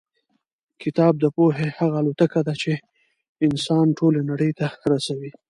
کتاب د پوهې هغه الوتکه ده چې انسان ټولې نړۍ ته رسوي.